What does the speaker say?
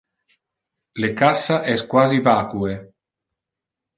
Le cassa es quasi vacue.